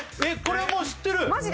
えっこれもう知ってる？